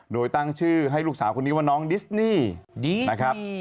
โดยตั้งชื่อให้ลูกสาวคนนี้ว่าน้องดิสนี่นะครับ